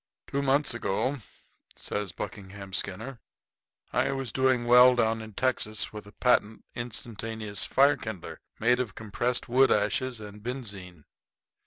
"Two months ago," says Buckingham Skinner, "I was doing well down in Texas with a patent instantaneous fire kindler, made of compressed wood ashes and benzine.